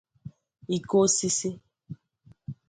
iko osisi